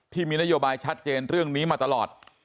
ที่มีนโยบายชัดเจนเรื่องนี้มาตลอด